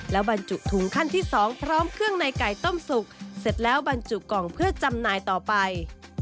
แล้วบรรจุถุงขั้นที่๒พร้อมเครื่องในไก่ต้มสุกเสร็จแล้วบรรจุกล่องเพื่อจำหน่ายต่อไป